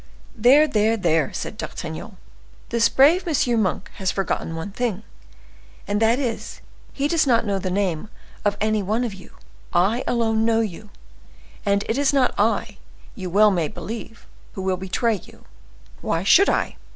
there! there!" said D'Artagnan, "this brave M. Monk has forgotten one thing, and that is he does not know the name of any one of you; I alone know you, and it is not I, you well may believe, who will betray you. Why should I?